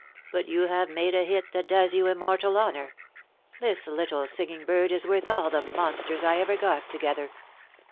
. But you have made a hit that does you im mortal honour .... this little singing bird is worth all the monsters I ever got together.